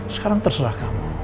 sekarang terserah kamu